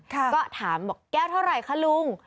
ก็ถามแก้วเท่าไรคะลุง